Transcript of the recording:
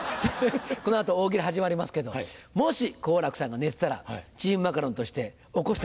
この後大喜利始まりますけどもし好楽さんが寝てたらチームマカロンとして起こしてねちゃんと。